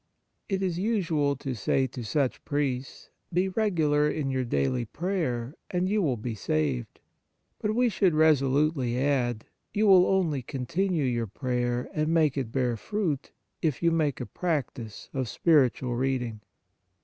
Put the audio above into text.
It is usual to say to such priests :" Be regular in your daily prayer, and you will be saved." But we should resolutely add :" You will only continue your prayer and make it bear fruit if you make a practice of spiritual reading."